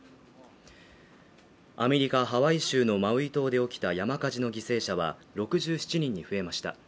アメリカ・ハワイ州のマウイ島で起きた山火事の犠牲者は６７人に増えました